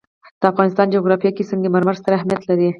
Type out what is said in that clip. د افغانستان جغرافیه کې سنگ مرمر ستر اهمیت لري.